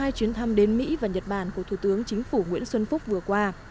hai chuyến thăm đến mỹ và nhật bản của thủ tướng chính phủ nguyễn xuân phúc vừa qua